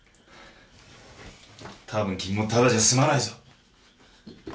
多分君もただじゃ済まないぞ。